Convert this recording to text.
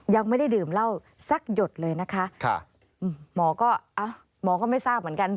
ยังไม่ได้ดื่มเหล้าสักหยดเลยนะคะหมอก็เอ้าหมอก็ไม่ทราบเหมือนกัน